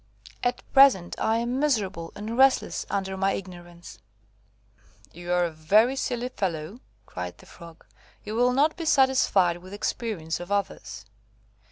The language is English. At present I am miserable and restless under my ignorance." "You are a very silly fellow," cried the Frog, "who will not be satisfied with the experience of others.